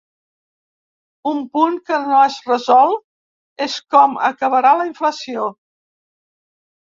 Un punt que no es resol és com acabarà la inflació.